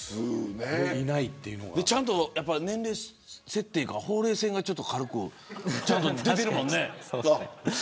ちゃんと年齢設定のせいなのかほうれい線が軽く出てますよね。